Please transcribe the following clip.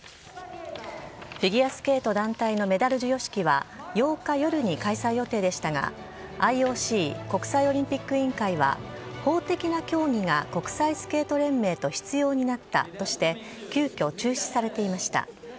フィギュアスケート団体のメダル授与式は８日夜に開催予定でしたがＩＯＣ＝国際オリンピック委員会は法的な協議が国際スケート連盟と必要になったとして急遽、中止されていました。